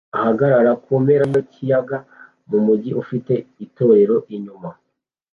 ahagarara kumpera yikiyaga mumujyi ufite itorero inyuma